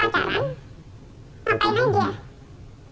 ketika si pelancar ini nanya mbak kalau pacaran ngapain aja